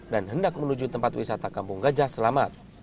dan hendak menuju tempat wisata kampung gajah selamat